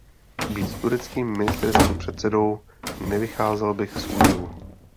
Být tureckým ministerským předsedou, nevycházel bych z údivu.